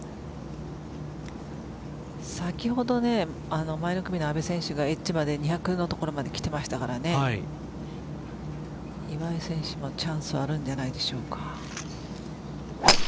先ほど前の組の阿部選手がエッジまで２００の所まできていましたから岩井選手もチャンスはあるんじゃないでしょうか。